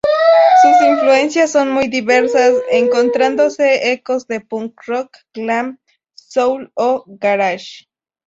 Sus influencias son muy diversas, encontrándose ecos de punk rock, glam, soul o garage.